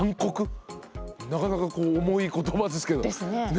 なかなかこう重い言葉ですけど。ですね。